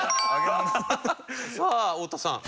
さあ太田さん。